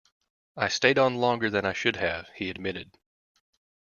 I stayed on longer than I should have, he admitted.